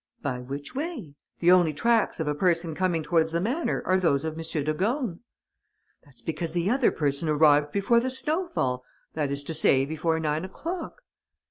"By which way? The only tracks of a person coming towards the manor are those of M. de Gorne." "That's because the other person arrived before the snowfall, that is to say, before nine o'clock."